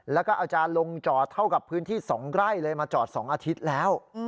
แล้วก็อาจารย์ลงจอดเท่ากับพื้นที่๒ไร่เลยมาจอด๒อาทิตย์แล้ว